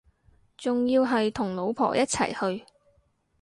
仲要係同老婆一齊去